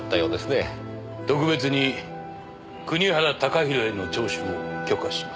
特別に国原貴弘への聴取を許可します。